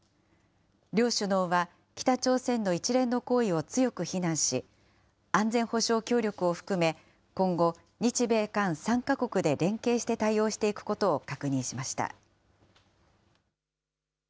両首脳は北朝鮮の一連の行為を強く非難し、安全保障協力を含め、今後、日米韓３か国で連携して対応していくことを確認しました。